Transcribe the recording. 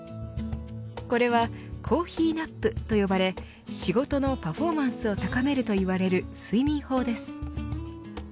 これは、コーヒーナップと呼ばれ仕事のパフォーマンスを高めるといわれる睡眠法です。